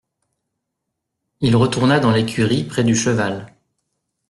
Il retourna dans l'écurie près du cheval.